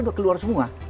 sudah keluar semua